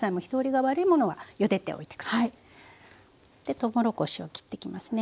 とうもろこしを切ってきますね。